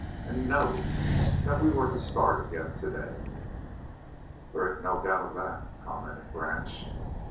And he knows that we were to start again today." "There ain't no doubt of that," commented Branch.